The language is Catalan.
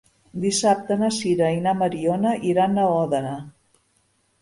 Dissabte na Sira i na Mariona iran a Òdena.